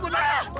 gue bawa dia